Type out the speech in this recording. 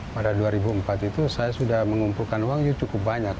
pada dua ribu empat itu saya sudah mengumpulkan uang cukup banyak